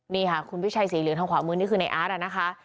นี่ค่ะคุณวิชัยสีเหลืองทางขวามือนี่คือในอาร์ตนะคะ